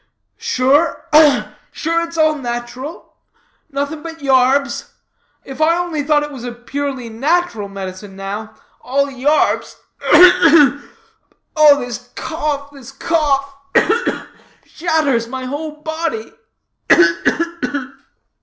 "Sure ugh! Sure it's all nat'ral? Nothing but yarbs? If I only thought it was a purely nat'ral medicine now all yarbs ugh, ugh! oh this cough, this cough ugh, ugh! shatters my whole body.